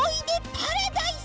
パラダイス！